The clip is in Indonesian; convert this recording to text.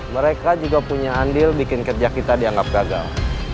mereka juga punya andil bikin kerja kita dianggap gagal